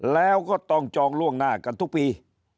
แล้วก็ต้องจองล่วงหน้ากันทุกปี